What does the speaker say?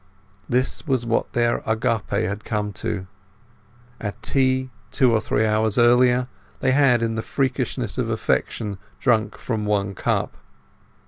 This was what their Agape had come to. At tea, two or three hours earlier, they had, in the freakishness of affection, drunk from one cup.